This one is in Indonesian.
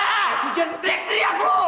ya gue jangan teriak teriak lu